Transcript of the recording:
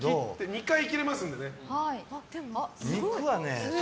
２回切れますので。